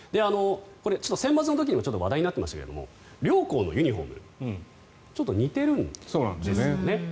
センバツの時にも話題になっていましたが両校のユニホームちょっと似てるんですよね。